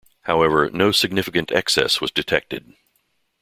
However, no significant excess was detected.